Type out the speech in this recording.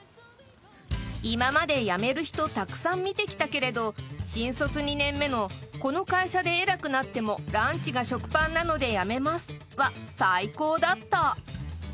今まで辞める人たくさん見てきたけれど新卒２年目のこの会社で偉くなってもランチが食パンなので辞めますは最高だった。